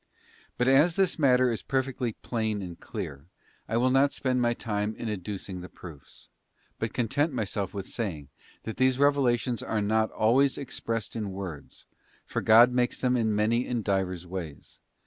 But as this matter is perfectly plain and clear, I will not spend my time in adducing the proofs; but content myself with saying, that these revelations are not always expressed in words, for God makes them in many and in divers ways.